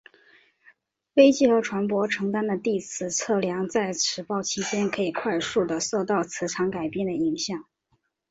飞机和船舶承担的地磁测量在磁暴期间可以快速的受到磁场改变影响。